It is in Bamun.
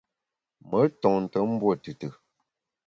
Me ntonte mbuo tùtù.